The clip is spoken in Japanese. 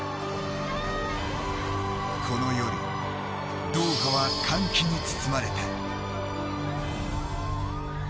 この夜、ドーハは歓喜に包まれた。